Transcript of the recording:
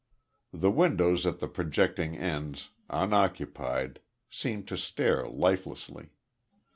The windows at the projecting ends, unoccupied, seemed to stare lifelessly.